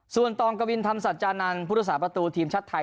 ส่วนตรงกวินทำศาจจานันทร์พุทธศาสตร์ประตูทีมชัดไทย